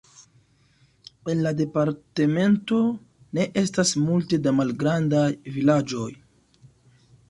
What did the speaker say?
En la departemento ne estas multe da malgrandaj vilaĝoj.